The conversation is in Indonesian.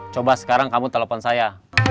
coba sekarang kamu telepon saya